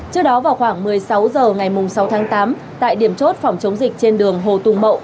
trước đó vào khoảng một mươi sáu h ngày sáu tháng tám tại điểm chốt phòng chống dịch trên đường hồ tùng mậu